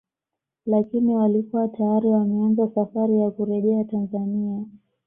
Lakini walikuwa tayari wameanza safari ya kurejea Tanzania